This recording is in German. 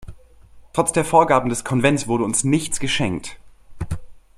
Trotz der Vorgaben des Konvents wurde uns nichts geschenkt.